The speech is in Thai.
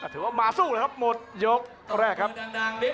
ถือว่ามาสู้เลยครับหมดยกแรกครับ